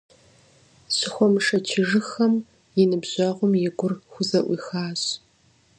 Щыхуэмышэчыжыххэм, и ныбжьэгъум и гур хузэӀуихащ.